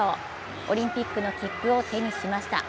オリンピックの切符を手にしました。